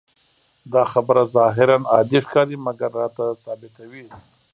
دا خبره ظاهراً عادي ښکاري، مګر راته ثابتوي.